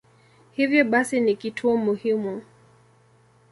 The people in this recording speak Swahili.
Hivyo basi ni kituo muhimu.